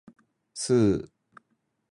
スー